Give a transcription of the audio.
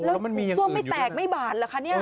แล้วซ่วมไม่แตกไม่บาดเหรอคะเนี่ย